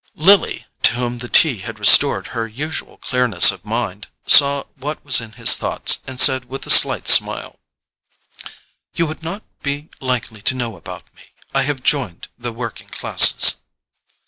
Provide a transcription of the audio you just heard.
Lily, to whom the tea had restored her usual clearness of mind, saw what was in his thoughts and said with a slight smile: "You would not be likely to know about me. I have joined the working classes."